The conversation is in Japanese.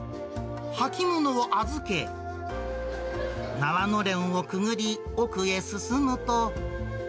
履き物を預け、縄のれんをくぐり、奥へ進むと。